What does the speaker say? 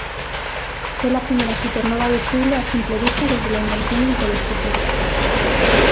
Fue la primera supernova visible a simple vista desde la invención del telescopio.